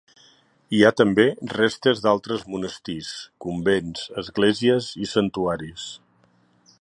Hi ha també restes d'altres monestirs, convents, esglésies i santuaris.